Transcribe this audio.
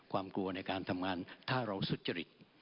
ความกลัวในทำงานและท่าเราสุจริต